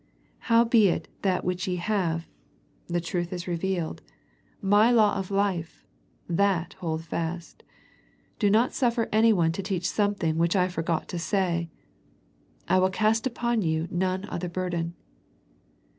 '' How beit that which ye have," the truth as revealed, The Thyatira Letter 127 My law of life, that hold fast. Do not suffer anyone to teach something which I forgot to say !" I will cast upon you none other bur den.''